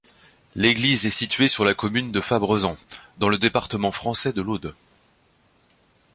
L'église est située sur la commune de Fabrezan, dans le département français de l'Aude.